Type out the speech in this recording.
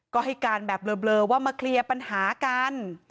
ก็ให้การแบบเบลอว่ามาเคลียร์ปัญหากัน